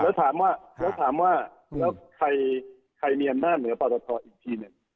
แล้วถามว่าใครมีอำนาจเหนือปอตทอีกทีหนึ่ง